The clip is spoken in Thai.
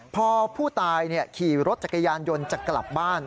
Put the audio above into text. พอผู้ตายขี่รถจักรยานยนต์จะกลับบ้าน